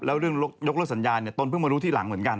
แล้วเรื่องยกเลิกสัญญาเนี่ยตนเพิ่งมารู้ทีหลังเหมือนกัน